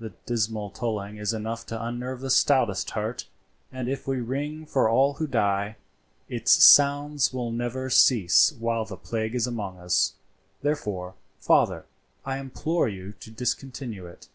The dismal tolling is enough to unnerve the stoutest heart, and if we ring for all who die, its sounds will never cease while the plague is among us; therefore, father, I implore you to discontinue it.